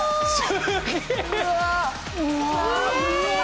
すげえ！